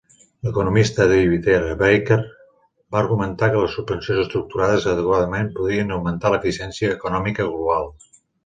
L'economista David R. Barker va argumentar que les subvencions estructurades adequadament podrien augmentar l'eficiència econòmica global.